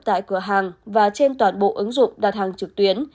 tại cửa hàng và trên toàn bộ ứng dụng đặt hàng trực tuyến